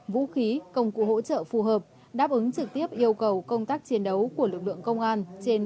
vũ khí công cụ hỗ trợ phù hợp đáp ứng trực tiếp yêu cầu công tác chiến đấu của lực lượng công an trên